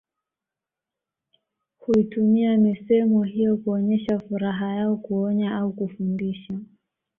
Huitumia misemo hiyo kuonyesha furaha yao kuonya au kufundisha